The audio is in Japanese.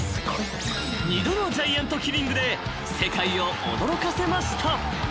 ［二度のジャイアントキリングで世界を驚かせました］